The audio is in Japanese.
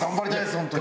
本当に。